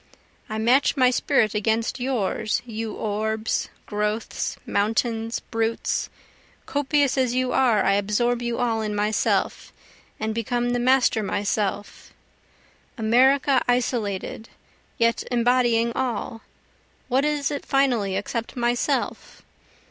I match my spirit against yours you orbs, growths, mountains, brutes, Copious as you are I absorb you all in myself, and become the master myself, America isolated yet embodying all, what is it finally except myself?